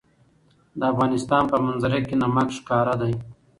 د افغانستان په منظره کې نمک ښکاره ده.